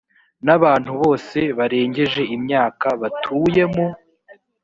n abantu bose barengeje imyaka batuye mu